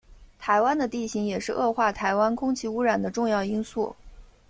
台湾的地形也是恶化台湾空气污染的重要因素。